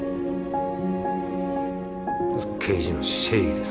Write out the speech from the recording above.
刑事の正義です